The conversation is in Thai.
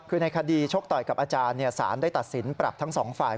คือในคดีชกต่อยกับอาจารย์สารได้ตัดสินปรับทั้งสองฝ่าย